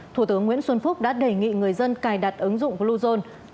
thủ tướng nguyễn xuân phúc đã đề nghị người dân cài đặt ứng dụng bluezone